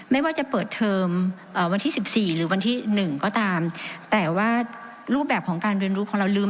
ไม่ว่าจะเปิดเทอมวันที่สิบสี่หรือวันที่หนึ่งก็ตามแต่ว่ารูปแบบของการเรียนรู้ของเราลืม